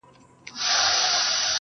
ما پرېږده چي مي ستونی په سلګیو اوبومه-